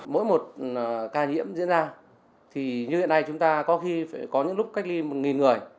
mỗi một ca nhiễm diễn ra thì như hiện nay chúng ta có khi có những lúc cách ly một người